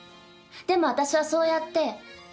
でも私はそうやって。